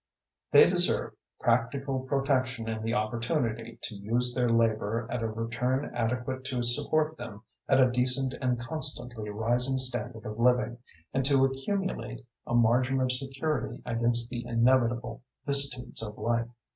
They deserve practical protection in the opportunity to use their labor at a return adequate to support them at a decent and constantly rising standard of living, and to accumulate a margin of security against the inevitable vicissitudes of life.